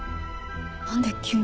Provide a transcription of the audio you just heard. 何で急に？